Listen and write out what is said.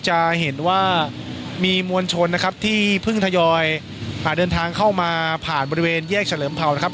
จะเห็นว่ามีมวลชนนะครับที่เพิ่งทยอยอ่าเดินทางเข้ามาผ่านบริเวณแยกเฉลิมเผานะครับ